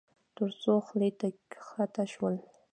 تر څو خولې ته کښته شول.